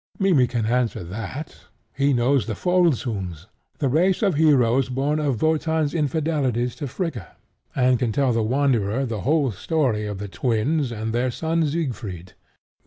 Mimmy can answer that: he knows the Volsungs, the race of heroes born of Wotan's infidelities to Fricka, and can tell the Wanderer the whole story of the twins and their son Siegfried.